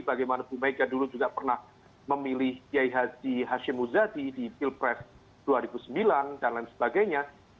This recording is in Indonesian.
bagaimana bumeika dulu juga pernah memilih yaihazi hashim muzadi di pilpres dua ribu sembilan dan lain sebagainya